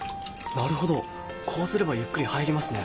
なるほどこうすればゆっくり入りますね。